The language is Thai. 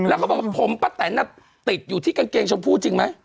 แล้วเขาบอกผมประสาทนั้นติดอยู่ที่กางเกงชมพู่จริงไหม